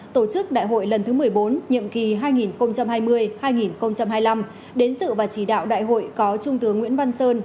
tổ chức đại hội lần thứ một mươi bốn nhiệm kỳ hai nghìn hai mươi hai nghìn hai mươi năm đến sự và chỉ đạo đại hội có trung tướng nguyễn văn sơn